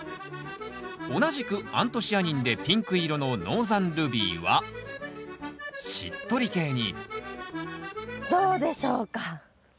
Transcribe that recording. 同じくアントシアニンでピンク色のノーザンルビーはしっとり系にどうでしょうか。